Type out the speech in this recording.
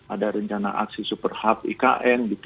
ada rencana aksi super hub ikn